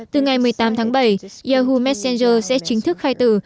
từ ngày một mươi tám tháng bảy yahoo messenger sẽ chính thức khai tử